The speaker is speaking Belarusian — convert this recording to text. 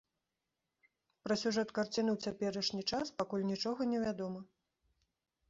Пра сюжэт карціны ў цяперашні час пакуль нічога не вядома.